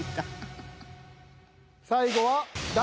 最後は。